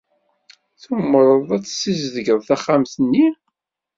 Tumṛed ad ssizedgen taxxamt-nni?